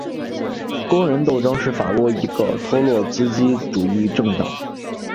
工人斗争是法国的一个托洛茨基主义政党。